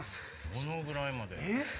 どのぐらいまで。